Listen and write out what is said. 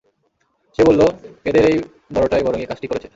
সে বলল, এদের এই বড়টাই বরং এ কাজটি করেছে।